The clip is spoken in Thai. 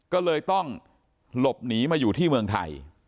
ก็เลยต้องหลบหนีมาอยู่ที่เมืองไทย